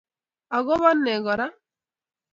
Agobo ne Kora?